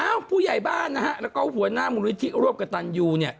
ผู้ใหญ่บ้านนะฮะแล้วก็หัวหน้ามูลนิธิร่วมกับตันยูเนี่ย